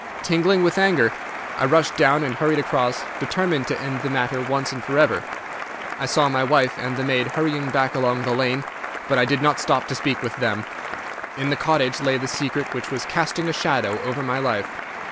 Tingling with anger, I rushed down and hurried across, determined to end the matter once and forever. I saw my wife and the maid hurrying back along the lane, but I did not stop to speak with them. In the cottage lay the secret which was casting a shadow over my life.